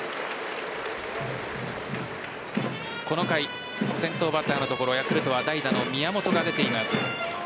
この回、先頭バッターのところヤクルトは代打の宮本が出ています。